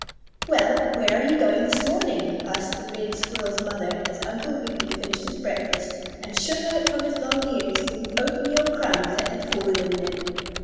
"Well, where are you going this morning?" asked the red squirrel's mother as Uncle Wiggily finished his breakfast, and shook out from his long ears the oatmeal crumbs that had fallen in them.